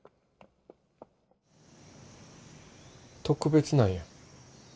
特別なんや。